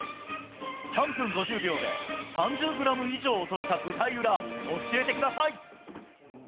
３分５０秒で３０グラム以上落とした舞台裏、教えてください。